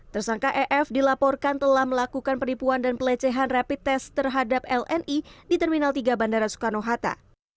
tersangka ef dilaporkan telah melakukan penipuan dan pelecehan rapid test terhadap lni di terminal tiga bandara soekarno hatta